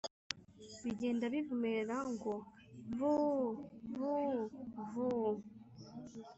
bigenda bivumera ngo: ‘vu vuuuu vuuuu!’